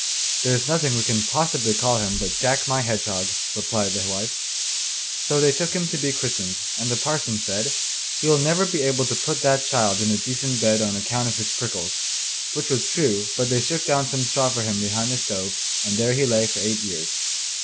'There is nothing we can possibly call him but Jack my Hedgehog,' replied the wife. So they took him to be christened, and the parson said: 'You'll never be able to put that child in a decent bed on account of his prickles.' Which was true, but they shook down some straw for him behind the stove, and there he lay for eight years.